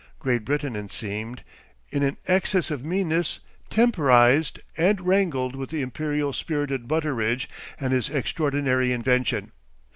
Great Britain, it seemed, in an access of meanness, temporised and wrangled with the imperial spirited Butteridge and his extraordinary invention.